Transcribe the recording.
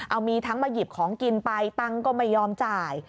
เอามีทั้งมาหยิบของกินไปตังค์ก็ไม่ยอมจ่าย